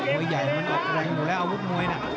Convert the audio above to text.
ใหญ่มันออกแรงอยู่แล้วอาวุธมวยน่ะ